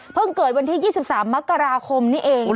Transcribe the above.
เกิดวันที่๒๓มกราคมนี้เอง